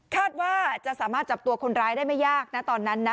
คาดว่าจะสามารถจับตัวคนร้ายได้ไม่ยากนะตอนนั้นนะ